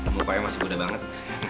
muka emasnya guda banget